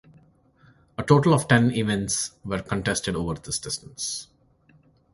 A total of ten events were contested over this distance.